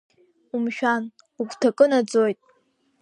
Умшәан, угәҭакы наӡоит.